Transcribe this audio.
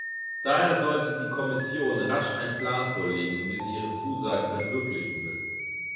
Daher sollte die Kommission rasch einen Plan vorlegen, wie sie ihre Zusagen verwirklichen will.